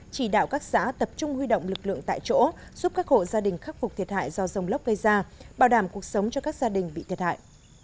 chỉ đạo các xã tập trung huy động lực lượng tại chỗ giúp các hộ gia đình khắc phục thiệt hại do dòng lốc gây ra bảo đảm cuộc sống cho các gia đình bị thiệt hại